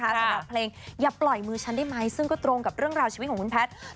สำหรับเพลงอย่าปล่อยมือฉันได้ไหมซึ่งก็ตรงกับเรื่องราวชีวิตของคุณแพทย์